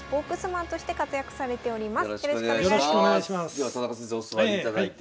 では田中先生お座りいただいて。